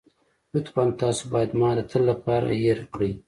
لطفاً تاسو بايد ما د تل لپاره هېره کړئ.